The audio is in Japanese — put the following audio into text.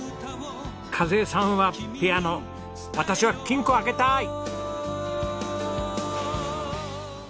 和枝さんはピアノ私は金庫開けたい！